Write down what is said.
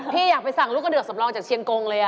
พี่อยากไปสั่งลูกกระเดือกสำรองจากเชียงกงเลย